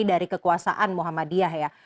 dari kekuasaan muhammadiyah ya